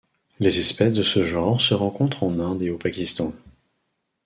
Les espèces de ce genre se rencontrent en Inde et au Pakistan.